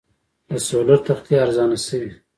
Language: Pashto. د سولر تختې ارزانه شوي؟